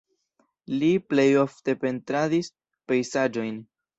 Li plej ofte pentradis pejzaĝojn.